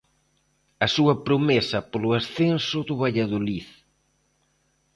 A súa promesa polo ascenso do Valladolid.